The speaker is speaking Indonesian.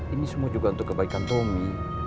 ini semua juga untuk kebaikan tommy